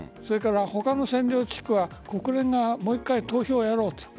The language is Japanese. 他の占領地区は国連がもう１回投票をやろうと。